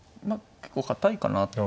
結構堅いかなと思って。